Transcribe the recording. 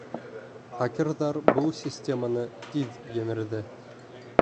Хакерҙар был системаны тиҙ емерҙе.